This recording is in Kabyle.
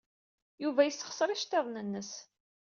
Yuba yessexṣer iceḍḍiḍen-nnes.